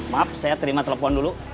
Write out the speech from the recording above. maaf saya terima telepon dulu